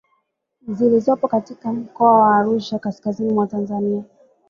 zilizopo katika mkoa wa Arusha kaskazizini mwa Tanzania